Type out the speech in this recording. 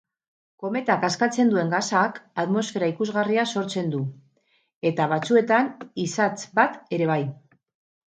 Kometak askatzen duen gasak atmosfera ikusgarria sortzen du, eta batzuetan isats bat ere bai.